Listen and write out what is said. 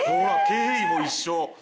経緯も一緒。